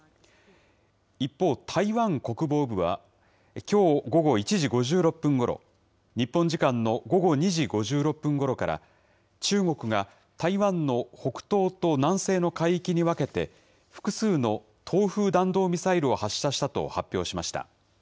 一方、台湾国防部は、きょう午後１時５６分ごろ、日本時間の午後２時５６分ごろから、中国が台湾の北東と南西の海域に分けて、複数の東風弾道ミサイルを発射したと発表しました。